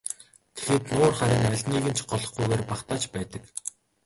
Тэгэхэд нуур харин алиныг нь ч голохгүйгээр багтааж байдаг.